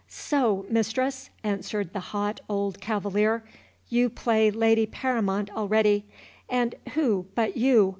"So, mistress!" answered the hot old cavalier, "you play lady paramount already; and who but you!